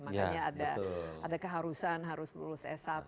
makanya ada keharusan harus lulus s satu